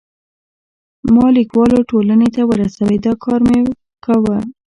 ما لیکوالو ټولنې ته ورسوی، دا کار مې کاوه.